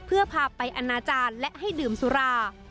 เพื่อพาไปอนาจารย์และให้ดื่มสุรา